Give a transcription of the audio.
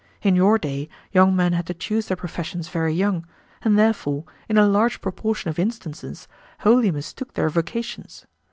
In your day young men had to choose their professions very young, and therefore, in a large proportion of instances, wholly mistook their vocations.